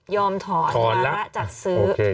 ถอนถอนแล้วจัดซื้อ